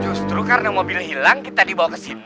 justru karena mobilnya hilang kita dibawa kesini